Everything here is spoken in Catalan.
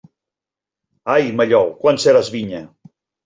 Ai, mallol, quan seràs vinya!